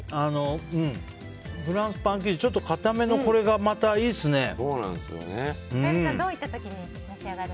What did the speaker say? フランスパン生地ちょっと硬めのこれがまた、いいですね。